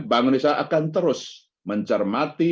bangsa indonesia akan terus mencermati